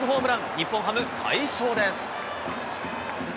日本ハム、快勝です。